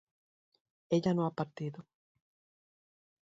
ella no ha partido